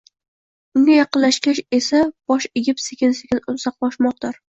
unga yaqinlashgach esa bosh egib sekin- sekin uzoqlashmoqdir.